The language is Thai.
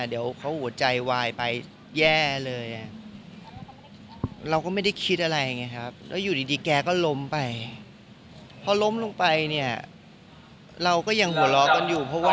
เรายังหัวเราะกันอยู่